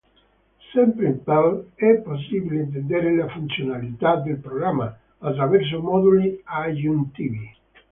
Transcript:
Sempre in Perl è possibile estendere le funzionalità del programma, attraverso moduli aggiuntivi.